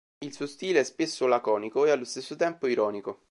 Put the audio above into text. Il suo stile è spesso laconico e allo stesso tempo ironico.